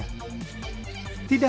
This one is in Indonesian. tidak hanya melestarikan kota